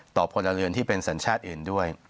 พลเรือนที่เป็นสัญชาติอื่นด้วย